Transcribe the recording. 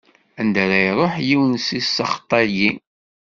Anda ara iruḥ yiwen deg ssexṭ-ayi!